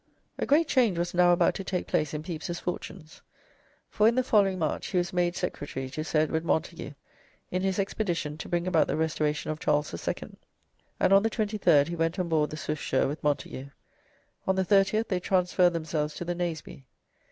A great change was now about to take place in Pepys's fortunes, for in the following March he was made secretary to Sir Edward Montage in his expedition to bring about the Restoration of Charles II., and on the 23rd he went on board the "Swiftsure" with Montage. On the 30th they transferred themselves to the "Naseby."